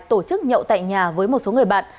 tổ chức nhậu tại nhà với một số người bạn